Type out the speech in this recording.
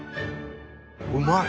うまい！